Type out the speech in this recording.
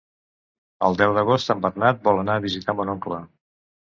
El deu d'agost en Bernat vol anar a visitar mon oncle.